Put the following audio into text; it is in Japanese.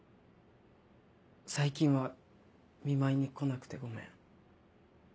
最近は見舞いに来なくてごめん。